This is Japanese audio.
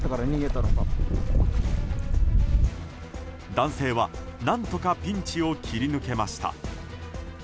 男性は何とかピンチを切り抜けました。